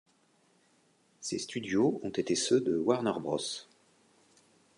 Ces studios ont été ceux de Warner Bros.